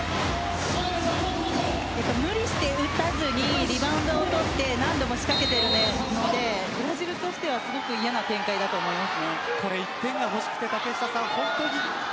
無理して打たずにリバウンドを取って何度も仕掛けているのでブラジルとしてはすごく嫌な展開だと思います。